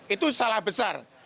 itu salah besar